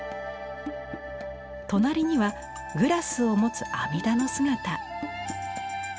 隣にはグラスを持つ阿弥陀の姿。